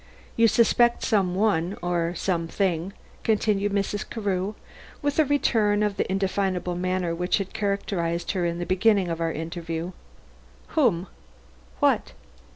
"You suspect some one or something," continued Mrs. Carew, with a return of the indefinable manner which had characterized her in the beginning of our interview. "Whom? What?"